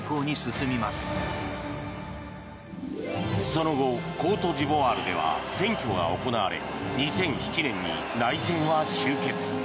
その後、コートジボワールでは選挙が行われ２００７年に内戦は終結。